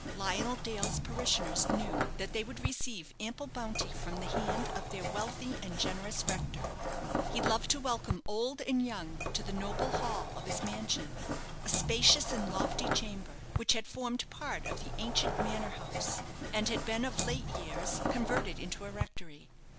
Lionel Dale's parishioners knew that they would receive ample bounty from the hand of their wealthy and generous rector. He loved to welcome old and young to the noble hall of his mansion, a spacious and lofty chamber, which had formed part of the ancient manor house, and had been of late years converted into a rectory.